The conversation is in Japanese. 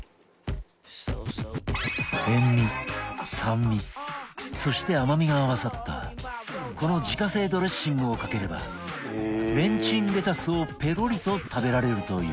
塩味酸味そして甘みが合わさったこの自家製ドレッシングをかければレンチンレタスをペロリと食べられるという